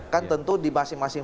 kan tentu di masing masing